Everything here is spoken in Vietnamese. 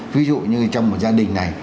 ví dụ như trong một gia đình này